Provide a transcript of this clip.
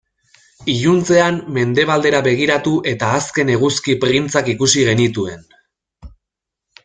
Iluntzean mendebaldera begiratu eta azken eguzki printzak ikusi genituen.